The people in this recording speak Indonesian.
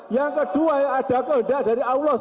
yang kedua yang ada kehendak dari allah